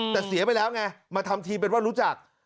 แต่เสียไปแล้วไงมาทำทีเป็นว่ารู้จัก